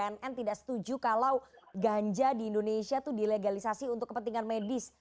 bnn tidak setuju kalau ganja di indonesia itu dilegalisasi untuk kepentingan medis